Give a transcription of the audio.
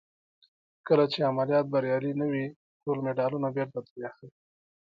کله چې عملیات بریالي نه وي ټول مډالونه بېرته ترې اخلي.